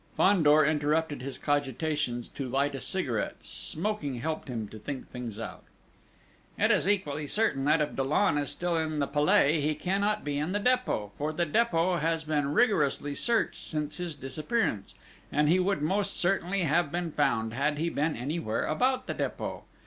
Fandor interrupted his cogitations to light a cigarette: smoking helped him to think things out: "It is equally certain that if Dollon is still in the Palais, he cannot be in the Dépôt, for the Dépôt has been rigorously searched since his disappearance, and he would most certainly have been found, had he been anywhere about the Dépôt.